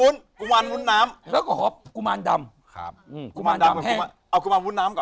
แล้วก็ห้อกุมารดำ